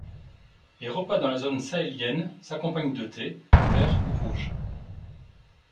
Les repas dans la zone sahélienne s'accompagnent de thé, vert ou rouge.